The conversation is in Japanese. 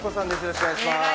よろしくお願いします。